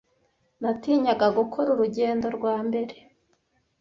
Natinyaga gukora urugendo rwa mbere.